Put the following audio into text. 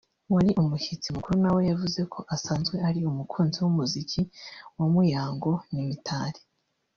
wari umushyitsi mukuru nawe yavuze ko asanzwe ari umukunzi w’umuziki wa Muyango n’Imitali